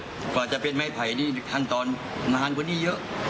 กว่าจะเป็นไม้ไผ่นี่ขั้นตอนนานกว่านี้เยอะ